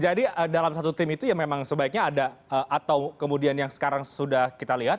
dalam satu tim itu ya memang sebaiknya ada atau kemudian yang sekarang sudah kita lihat